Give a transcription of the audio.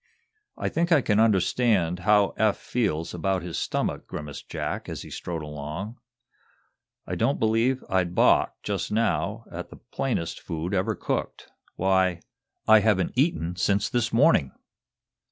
"I think I can understand how Eph feels about his stomach," grimaced Jack, as he strode along. "I don't believe I'd balk, just now, at the plainest food ever cooked. Why, I haven't eaten since this morning!"